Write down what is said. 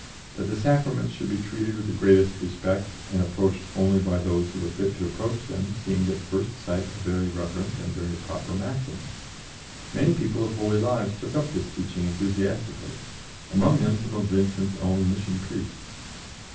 That the Sacraments should be treated with the greatest respect and approached only by those who were fit to approach them seemed at first sight a very reverent and very proper maxim. Many people of holy lives took up this teaching enthusiastically, among them some of Vincent's own Mission Priests.